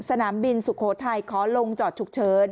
สนามบินสุโขทัยขอลงจอดฉุกเฉิน